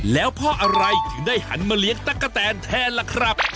แล้วเพราะอะไรถึงได้หันมาเลี้ยงตั๊กกะแตนแทนล่ะครับ